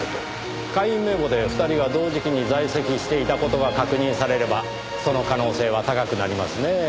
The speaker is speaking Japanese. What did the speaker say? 会員名簿で２人が同時期に在籍していた事が確認されればその可能性は高くなりますねぇ。